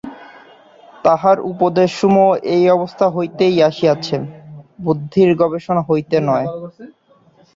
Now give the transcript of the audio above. তাঁহার উপদেশসমূহ এই অবস্থা হইতেই আসিয়াছে, বুদ্ধির গবেষণা হইতে নয়।